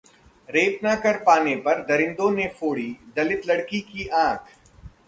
rape न कर पाने पर दरिंदों ने फोड़ी दलित लड़की की आंख